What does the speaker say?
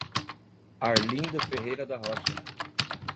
Arlindo Ferreira da Rocha